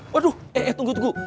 waduh eh tunggu tunggu